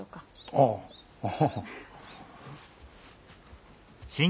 あっああ。